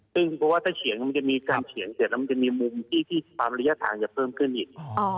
ซึ่งเพราะว่าถ้าเฉียงมันจะมีการเฉียงเสร็จแล้วมันจะมีมุมที่ความระยะทางจะเพิ่มขึ้นอีก